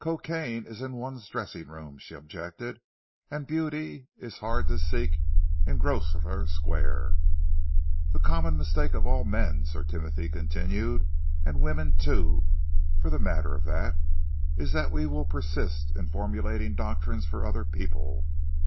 "Cocaine is in one's dressing room," she objected, "and beauty is hard to seek in Grosvenor Square." "The common mistake of all men," Sir Timothy continued, "and women, too, for the matter of that, is that we will persist in formulating doctrines for other people.